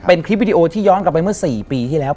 เป็นคลิปวิดีโอที่ย้อนกลับไปเมื่อ๔ปีที่แล้ว